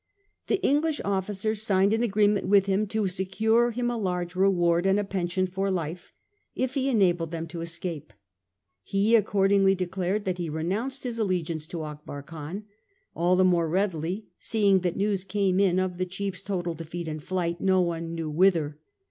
The English officers signed an agreement with him to secure him a large reward, and a pension for life, if he enabled them to escape. He accordingly declared that he renounced his allegiance to Akbar Khan; all the more readily, seeing that news came in of the chiefs total defeat and flight, no one knew whither.